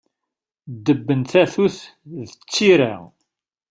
Ddeb n tatut d tira.